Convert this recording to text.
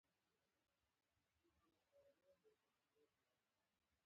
ابلیسه ګرځه په ویرانو کې